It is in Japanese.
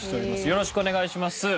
よろしくお願いします。